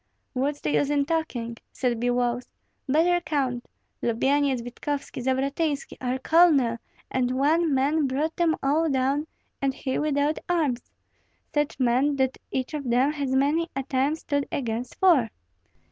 "What's the use in talking?" said Biloüs, "better count: Lyubyenyets, Vitkovski, Zavratynski, our colonel; and one man brought them all down, and he without arms, such men that each of them has many a time stood against four.